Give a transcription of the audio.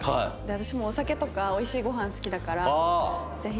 私もお酒とか美味しいご飯好きだからぜひ。